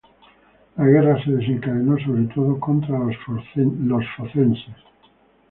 La guerra se desencadenó sobre todo contra los focenses.